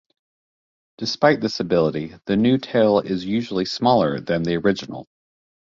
Despite this ability, the new tail is usually smaller than the original.